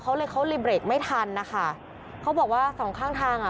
เขาเลยเขาเลยเบรกไม่ทันนะคะเขาบอกว่าสองข้างทางอ่ะ